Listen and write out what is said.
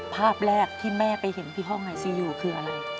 ภาพแรกที่แม่ไปเห็นที่ห้องไอซียูคืออะไร